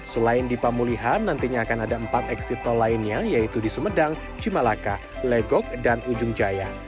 selain di pemulihan nantinya akan ada empat eksit tol lainnya yaitu di sumedang cimalaka legok dan ujung jaya